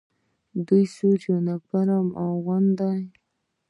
دوی سور یونیفورم اغوندي.